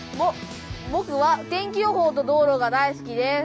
僕は天気予報と道路が大好きです。